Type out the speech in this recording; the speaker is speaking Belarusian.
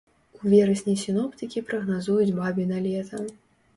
У верасні сіноптыкі прагназуюць бабіна лета.